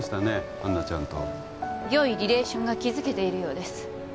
アンナちゃんとよいリレーションが築けているようです